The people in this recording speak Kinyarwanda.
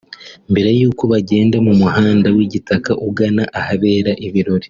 mbere yuko bagenda mu muhanda w’igitaka ugana ahabera ibirori